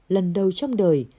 lần đầu trong đời